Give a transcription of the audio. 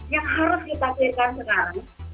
yang harus kita kirakan sekarang